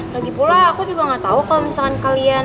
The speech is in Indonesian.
lagipula aku juga gak tau kalau misalkan kalian